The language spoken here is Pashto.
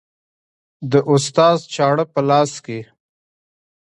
د استاد چاړه په لاس کې